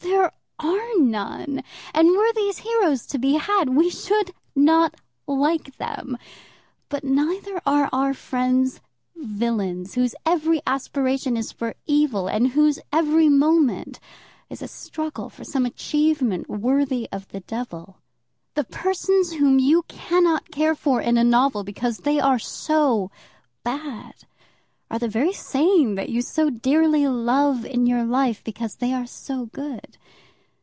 There are none. And were these heroes to be had, we should not like them. But neither are our friends villains, whose every aspiration is for evil, and whose every moment is a struggle for some achievement worthy of the devil. The persons whom you cannot care for in a novel, because they are so bad, are the very same that you so dearly love in your life, because they are so good.